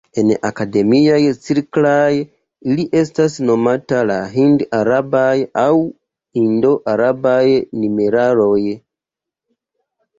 En akademiaj cirklaj ili estas nomata la "Hind-Arabaj" aŭ "Indo-Arabaj" numeraloj.